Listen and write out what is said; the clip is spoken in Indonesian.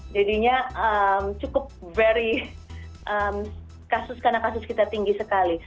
jadinya cukup very kasus karena kasus kita tinggi sekali